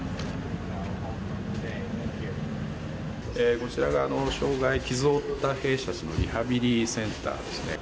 こちらが障害、傷を負った兵士たちのリハビリセンターですね。